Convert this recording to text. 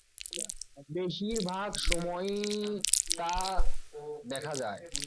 বেশির ভাগ সময়ই তা দেখা যায়।